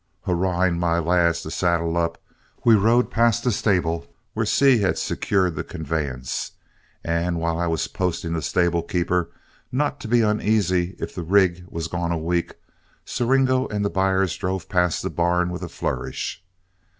Hurrahing my lads to saddle up, we rode past the stable where Seay had secured the conveyance; and while I was posting the stable keeper not to be uneasy if the rig was gone a week, Siringo and the buyers drove past the barn with a flourish.